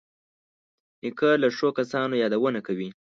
نیکه له ښو کسانو یادونه کوي.